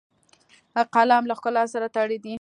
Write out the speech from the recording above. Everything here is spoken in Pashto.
قلم له ښکلا سره تړلی دی